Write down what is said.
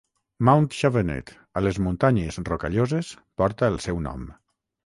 Mount Chauvenet a les Muntanyes Rocalloses porta el seu nom.